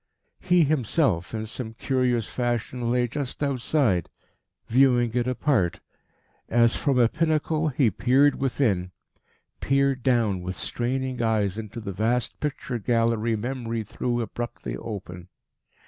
He himself, in some curious fashion, lay just outside, viewing it apart. As from a pinnacle, he peered within peered down with straining eyes into the vast picture gallery Memory threw abruptly open.